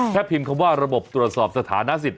พิมพ์คำว่าระบบตรวจสอบสถานะสิทธ